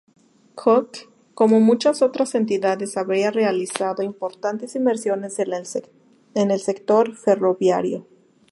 Cooke, como muchas otras entidades, había realizado importantes inversiones en el sector ferroviario.